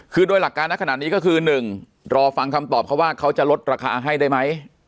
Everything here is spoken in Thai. คือโดยหลักการณขณะนี้ก็คือ๑รอฟังคำตอบเขาว่าเขาจะลดราคาให้ได้ไหม